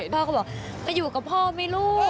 พ่อก็บอกไปอยู่กับพ่อไหมลูก